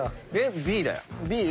Ｂだよ。